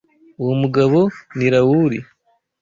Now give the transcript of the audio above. Uwo mugabo ni Rauli.